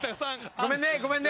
ごめんねごめんね。